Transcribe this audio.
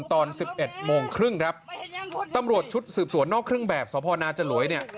๑๑โมงครึ่งรับตำรวจชุดสืบสวนนอกครึ่งแบบสนจะหลวยเนี่ย